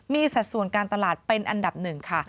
มีสัดส่วนการตลาดเป็นอันดับหนึ่งค่ะ